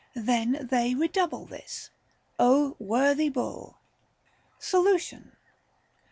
Then they re double this, " Ο worthy Bull "! Solution.